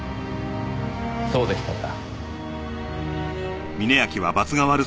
そうでしたか。